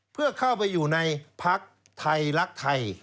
เพื่อเข้าไปอยู่ในพักไทยรักไทย